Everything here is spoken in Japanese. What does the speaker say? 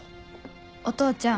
お父ちゃん